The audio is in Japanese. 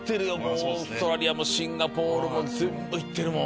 オーストラリアもシンガポールも行ってるもん。